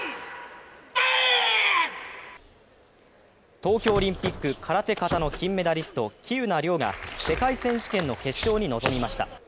東京オリンピック空手・形の金メダリスト、喜友名諒が世界選手権の決勝に臨みました。